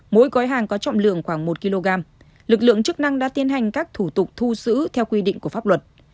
mỗi gói hàng có trọng lượng khoảng một kg lực lượng chức năng đã tiến hành các thủ tục thu giữ theo quy định của pháp luật